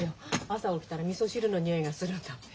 朝起きたらみそ汁の匂いがするんだもん。